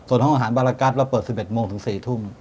ส่วนห้องอาหารบารกัสเราเปิด๑๑โมงถึง๔ทุ่ม